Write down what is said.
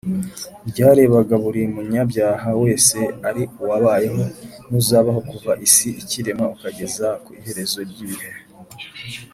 ryarebaga buri munyabyaha wese ari uwabayeho n’uzabaho, kuva isi ikiremwa ukageza ku iherezo ry’ibihe